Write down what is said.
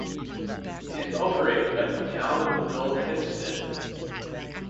It is operated by the Town of North Hempstead.